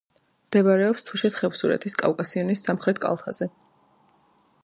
მდებარეობს თუშეთ-ხევსურეთის კავკასიონის სამხრეთ კალთაზე.